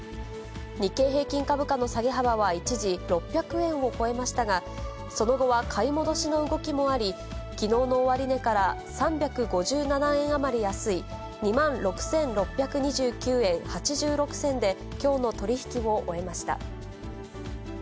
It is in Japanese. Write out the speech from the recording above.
日経平均株価の下げ幅は一時６００円を超えましたが、その後は買い戻しの動きもあり、きのうの終値から３５７円余り安い２万６６２９円８６銭で、きょうの取り引きを終えました。